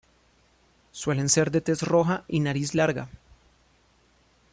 Suelen ser de tez roja y nariz larga.